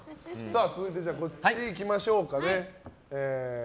続いて、こっちにいきましょうか。